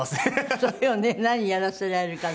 そうよね何やらせられるかね。